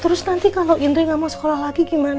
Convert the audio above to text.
terus nanti kalau indri gak mau sekolah lagi gimana